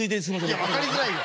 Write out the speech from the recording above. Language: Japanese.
いや分かりづらいわ。